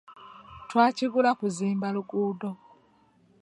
Twakigula kuzimba luguudo.